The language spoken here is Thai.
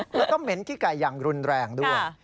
มันก็เหม็นฮิ้กไก่อย่างรุนแรงด้วย